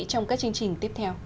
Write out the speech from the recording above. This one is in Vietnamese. trong các chương trình tiếp theo